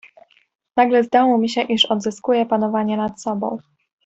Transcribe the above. "Nagle zdało mi się, iż odzyskuje panowanie nad sobą."